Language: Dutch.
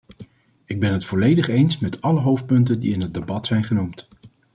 Ik ben het volledig eens met alle hoofdpunten die in het debat zijn genoemd.